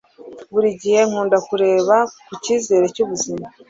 buri gihe nkunda kureba ku cyizere cy'ubuzima